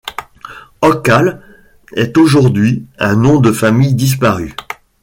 Hocqual est aujourd'hui un nom de famille disparu.